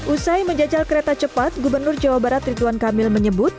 usai menjajal kereta cepat gubernur jawa barat rituan kamil menyebut